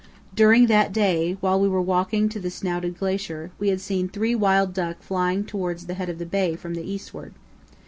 During that day, while we were walking to the snouted glacier, we had seen three wild duck flying towards the head of the bay from the eastward.